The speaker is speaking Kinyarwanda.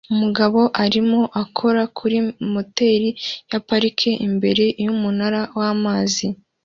Umugabo arimo akora kuri moteri ya parike imbere yumunara wamazi